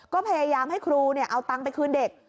ก็พยายามให้ครูเอาตังค์ไปคืนเด็ก